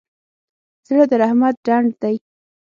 زړه د رحمت ډنډ دی.